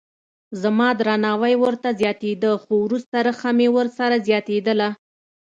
زما درناوی ورته زیاتېده خو وروسته رخه مې ورسره زیاتېدله.